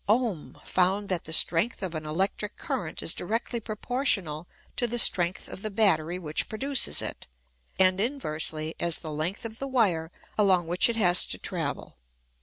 Ohm found that the strength of an electric current is directly proportional to the strength of the battery which pro duces it, and inversely as the length of the wire along which it has to travel.